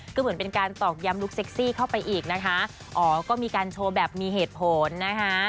ก็เหมือนเป็นการตอกย้ำลูกเซ็กซี่เข้าไปอีกนะคะอ๋อก็มีการโชว์แบบมีเหตุผลนะคะ